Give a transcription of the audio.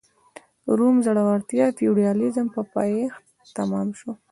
د روم ځوړتیا د فیوډالېزم په پایښت تمام شو.